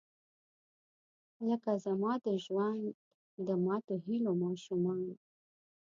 لکه زما د ژوند، د ماتوهیلو ماشومان